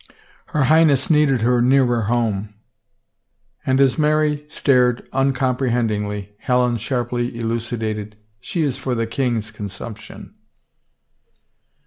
Her Highness needed her nearer home." And as Mary only stared uncomprehendingly Helen sharply elucidated, " She is for the king's consumption."